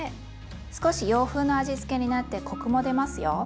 少し洋風の味付けになってコクも出ますよ。